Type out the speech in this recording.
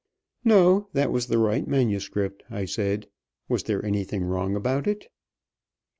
"No, that was the right manuscript," I said. "Was there anything wrong about it?"